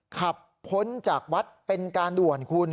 ขับพ้นจากวัดเป็นการด่วนคุณ